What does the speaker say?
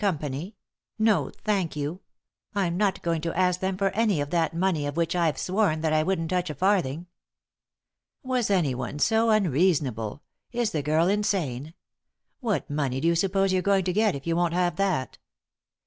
? No, thank you. I'm not going to ask them for any of that money of which I've sworn that I wouldn't touch a farthing." " Was anyone so unreasonable ? Is the girl in sane ? What money do you suppose you're going to get, if you won't have that